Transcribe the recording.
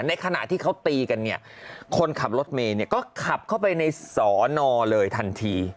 ในขณะที่เขาตีกันคนขับรถเมล์ก็ขับเข้าไปในสอนอเลยทันที